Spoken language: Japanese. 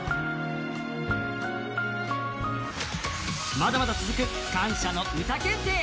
まだまだ続く感謝のうた検定。